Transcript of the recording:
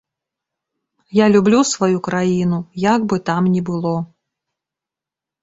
Я люблю сваю краіну, як бы там ні было.